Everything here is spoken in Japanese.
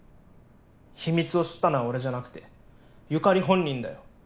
秘密を知ったのは俺じゃなくてユカリ本人だよ。